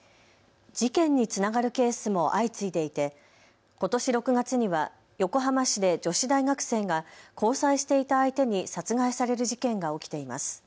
事件につながるケースも相次いでいて、ことし６月には横浜市で女子大学生が交際していた相手に殺害される事件が起きています。